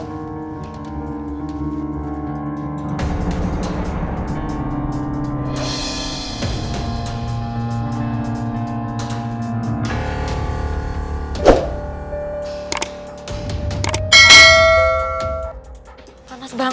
sudah pasti ada tank